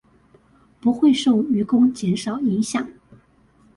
不會受漁工減少影響